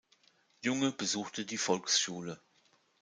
Junge besuchte die Volksschule.